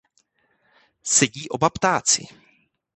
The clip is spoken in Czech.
Sedí oba ptáci.